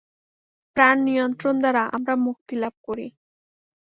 প্রাণ-নিয়ন্ত্রণ দ্বারা আমরা মুক্তি লাভ করি।